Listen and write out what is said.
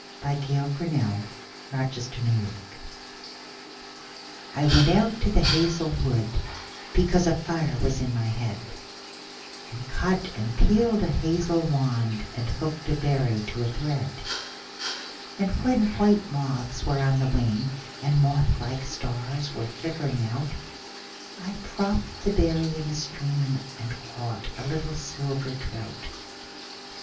1899. 9. The Song of Wandering Aengus I WENT out to the hazel wood, Because a fire was in my head, And cut and peeled a hazel wand, And hooked a berry to a thread; And when white moths were on the wing, And moth like stars were flickering out,I dropped the berry in a streamAnd caught a little silver trout.